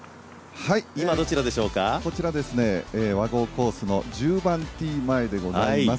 こちら和合コースの１０番ティー前でございます。